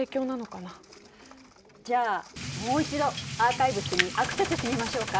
じゃあもう一度アーカイブスにアクセスしてみましょうか。